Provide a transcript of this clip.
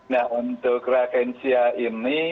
nah untuk rakensia ini